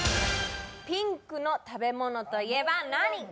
ピンクの食べ物といえば何？